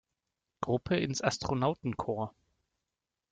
Gruppe ins Astronautenkorps.